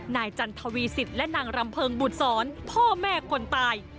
นายจันทวีสิทธิ์และนางรำเพิงบุตรศรพ่อแม่คนตาย